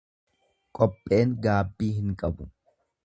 Qopheen gaabbii hin qabu.